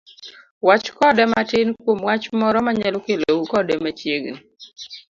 wach kode matin kuom wach moro mayalo kelou kode machiegni.